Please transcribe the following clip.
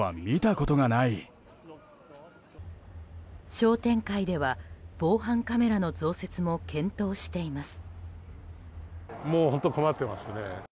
商店会では防犯カメラの増設も検討しています。